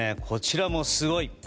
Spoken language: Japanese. こちらもすごい。